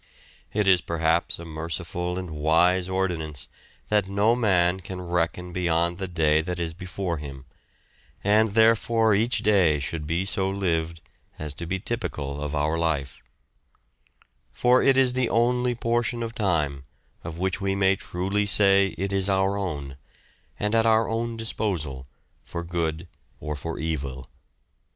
It is perhaps a merciful and wise ordinance that no man can reckon beyond the day that is before him, and therefore each day should be so lived as to be typical of our life; for it is the only portion of time of which we may truly say it is our own, and at our own disposal for good or for evil.